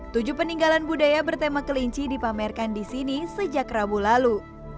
tujuh peninggalan budaya bertema kelinci dipamerkan di sini sejak rabu lalu